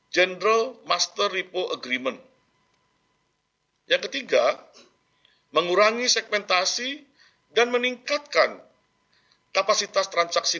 general master repo agreement yang ketiga mengurangi segmentasi dan meningkatkan kapasitas transaksi